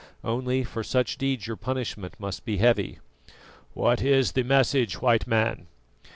Only, for such deeds your punishment must be heavy." "What is the message, White Man?"